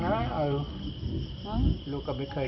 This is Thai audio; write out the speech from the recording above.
ที่สุดท้าย